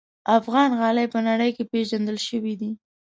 افغان غالۍ په نړۍ کې پېژندل شوي دي.